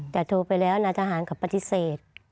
แต่โทรไปแล้วนายทหารเขาปฏิเสธ